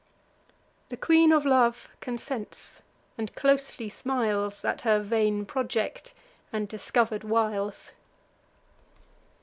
The Queen of Love consents, and closely smiles At her vain project, and discover'd wiles.